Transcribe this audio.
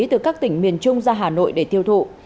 từ các tỉnh miền trung ra hà nội để tiêu thụ